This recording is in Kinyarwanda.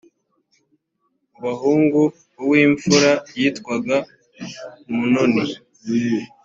mu bahungu uw’imfura yitwaga amunoni